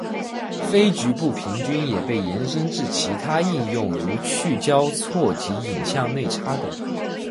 非局部平均也被延伸至其他应用如去交错及影像内插等。